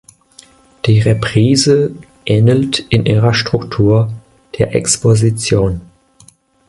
Die Reprise ähnelt in ihrer Struktur der Exposition.